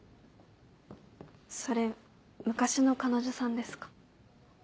それ昔の彼女さんですか？